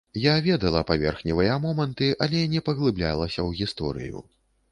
Я ведала паверхневыя моманты, але не паглыблялася ў гісторыю.